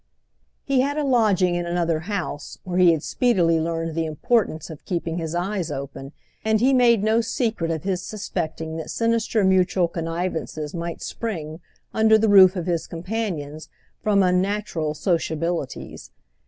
He had a lodging in another house, where he had speedily learned the importance of keeping his eyes open, and he made no secret of his suspecting that sinister mutual connivances might spring, under the roof of his companions, from unnatural sociabilities.